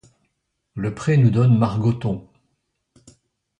Le pré nous donne Margoton.